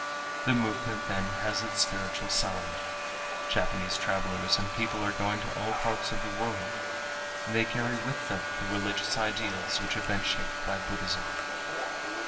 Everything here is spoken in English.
The movement then has its spiritual side. Japanese travelers and people are going to all parts of the world. They carry with them the religious ideals which have been shaped by Buddhism.